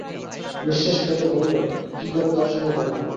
নিশ্বাস ফেলে বললে, কী করে তাঁর সঙ্গে দেখা হবে।